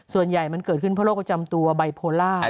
ส่วนใหญ่มันเกิดขึ้นเพราะโรคประจำตัวไบโพล่า